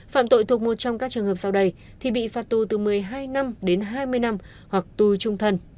phạm tội thuộc một trong các trường hợp sau đây thì bị phạt tù từ một mươi hai năm đến hai mươi năm hoặc tù trung thân